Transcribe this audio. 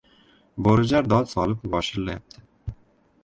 Bo‘rijar dod solib voshillayapti.